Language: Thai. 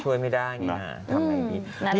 ช่วยไม่ได้ทำไมดี